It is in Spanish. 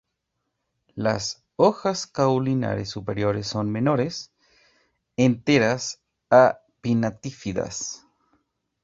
Las hojas caulinares superiores son menores, enteras a pinnatífidas.